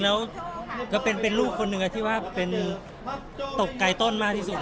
แต่บ้านเราจะเป็นแบบนี้